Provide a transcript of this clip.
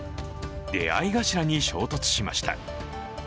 出会い頭に衝突しました。